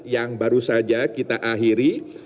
yang baru saja kita akhiri